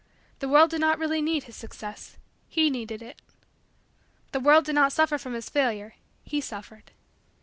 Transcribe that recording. The world did not really need his success he needed it. The world did not suffer from his failure he suffered.